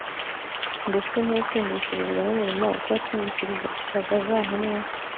Mbese ntiyatsindishirijwe n'imirimo ubwo yacumbikiraga za ntumwa